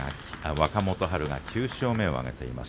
若元春が９勝目を挙げています。